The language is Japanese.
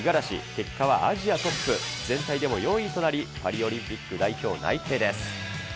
結果はアジアトップ、全体でも４位となり、パリオリンピック代表内定です。